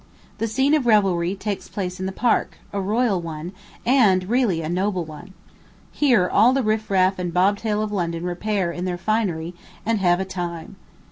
The scene of revelry takes place in the Park, a royal one, and really a noble one. Here all the riff raff and bobtail of London repair in their finery, and have a time.